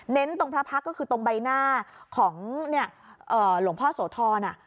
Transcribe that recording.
ตรงพระพักษ์ก็คือตรงใบหน้าของหลวงพ่อโสธร